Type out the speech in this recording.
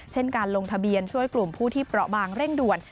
เช่นการลงทะเบียนช่วยกลุ่มผู้ที่เปราะบางเร่งด่วน